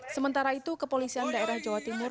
sementara itu kepolisian daerah jawa timur